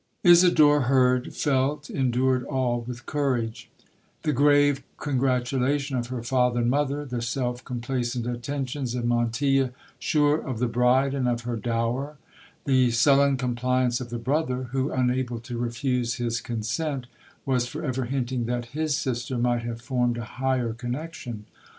Isidora heard, felt, endured all with courage—the grave congratulation of her father and mother—the self complacent attentions of Montilla, sure of the bride and of her dower—the sullen compliance of the brother, who, unable to refuse his consent, was for ever hinting that his sister might have formed a higher connection.